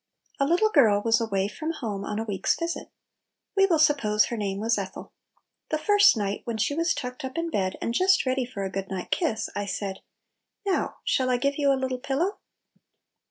A LITTLE GIEL was away from home on a week's visit. We will suppose her name was Ethel. The first night, when she was tucked up in bed, and just ready for a good night kiss, I said, "Now, shall I give you a little pillow?"